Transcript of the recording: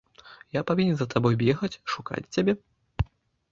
Я павінен за табой бегаць, шукаць цябе.